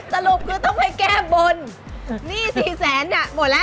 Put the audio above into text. สรุปคือต้องไปแก้บนหนี้๔๐๐๐๐๐บาทเนี่ยหมดแล้ว